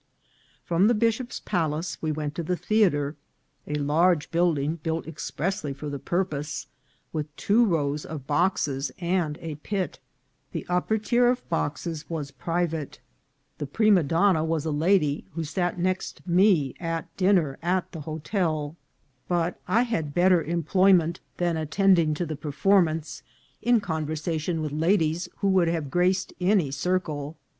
From the bishop's palace we went to the theatre, a large building built expressly for the purpose, with two rows of boxes and a pit. The upper tier of boxes was private. The prima donna was a lady who sat next me at dinner at the hotel ; but I had better employment VOL. II.— 3 E 402 INCIDENTS OF TRAVEL. than attending to the performance, in conversation with ladies who would have graced any circle.